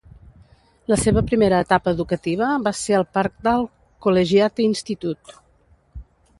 La seva primera etapa educativa va ser al Parkdale Collegiate Institute.